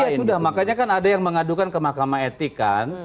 ya sudah makanya kan ada yang mengadukan ke mahkamah etik kan